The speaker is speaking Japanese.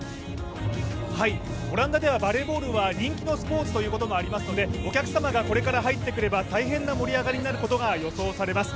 オランダではバレーボールは人気のスポーツということもありますのでお客様がこれから入ってくれば大変な盛り上がりとなることが予想されます。